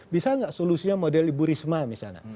bisa nggak solusinya model ibu risma misalnya